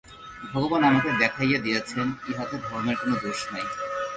ভগবান আমাকে দেখাইয়া দিয়াছেন, ইহাতে ধর্মের কোন দোষ নাই।